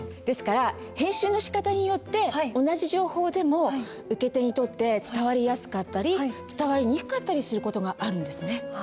ですから編集のしかたによって同じ情報でも受け手にとって伝わりやすかったり伝わりにくかったりする事があるんですね。